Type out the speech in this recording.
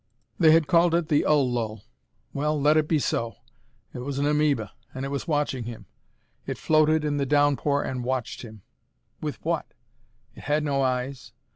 They had called it the Ul lul. Well, let it be so. It was an amoeba, and it was watching him. It floated in the downpour and watched him. With what? It had no eyes.